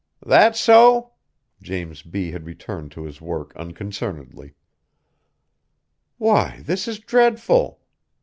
"That so?" James B. had returned to his work unconcernedly. "Why, this is dreadful!"